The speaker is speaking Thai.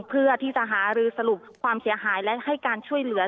เพื่อที่จะหารือสรุปความเสียหายและให้การช่วยเหลือ